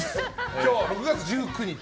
今日は６月１９日。